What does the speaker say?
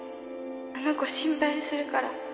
あの子心配するから